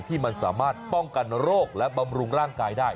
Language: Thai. ที่มันสามารถป้องกันโรคและบำรุงร่างกายได้